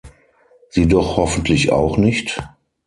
Sie doch hoffentlich auch nicht?